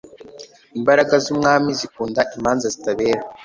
imbaraga z'umwami zikunda imanza zitabera